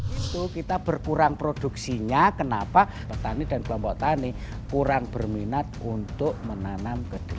itu kita berkurang produksinya kenapa petani dan kelompok tani kurang berminat untuk menanam kedelai